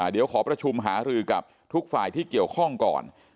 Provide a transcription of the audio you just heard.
เดี๋ยวขอประชุมหารือกับทุกฝ่ายที่เกี่ยวข้องก่อน